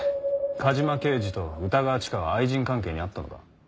梶間刑事と歌川チカは愛人関係にあったのか？